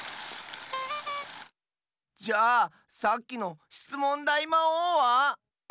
じゃさっきのしつもんだいまおうは？